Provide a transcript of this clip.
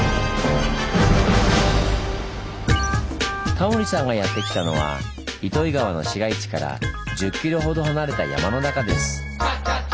タモリさんがやって来たのは糸魚川の市街地から１０ｋｍほど離れた山の中です。